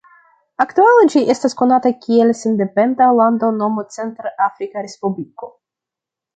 Aktuale ĝi estas konata kiel sendependa lando nome Centr-Afrika Respubliko.